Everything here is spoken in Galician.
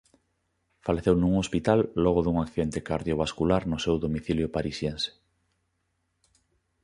Faleceu nun hospital logo dun accidente cardiovascular no seu domicilio parisiense.